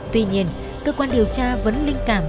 tuy nhiên cơ quan điều tra vẫn linh cảm